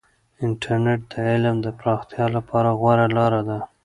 انټرنیټ د علم د پراختیا لپاره غوره لاره ده.